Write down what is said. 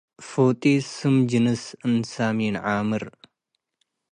ፉጢት፤ ስም ጅንስ እንሰ ሚን-ዓምር ።